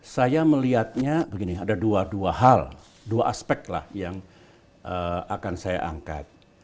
saya melihatnya begini ada dua dua hal dua aspek lah yang akan saya angkat